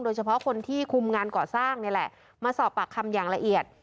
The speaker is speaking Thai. โดยเฉพาะคนที่คุมงานก่อสร้างนี่แหละมาสอบปากคำอย่างละเอียด